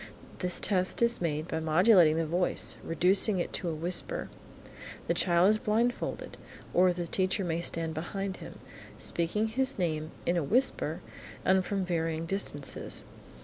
This test is made by modulating the voice, reducing it to a whisper. The child is blindfolded, or the teacher may stand behind him, speaking his name, in a whisper and from varying distances.